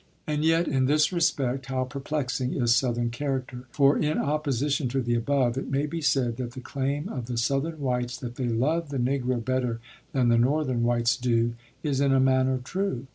And yet in this respect how perplexing is Southern character; for, in opposition to the above, it may be said that the claim of the Southern whites that they love the Negro better than the Northern whites do is in a manner true.